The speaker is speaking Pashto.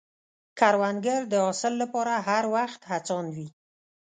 کروندګر د حاصل له پاره هر وخت هڅاند وي